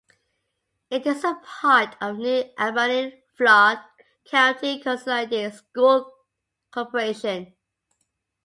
It is a part of the New Albany-Floyd County Consolidated School Corporation.